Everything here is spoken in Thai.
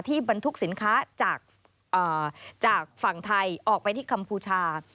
บรรทุกสินค้าจากฝั่งไทยออกไปที่กัมพูชา